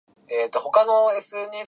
水戸市